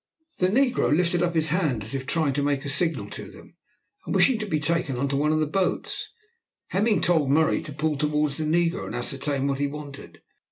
The negro lifted up his hand, as if trying to make a signal to them, and wishing to be taken into one of the boats. Hemming told Murray to pull towards the negro, and ascertain what he wanted.